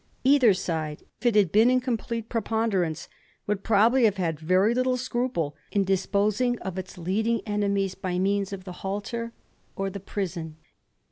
Either Bide, if it had been in complete preponderance, would probably have had very little scruple in disposing of its leading enemies by means of the halter or the prison.